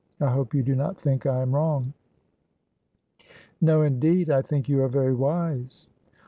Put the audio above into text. I hope you do not think I am wrong?" "No, indeed. I think you are very wise."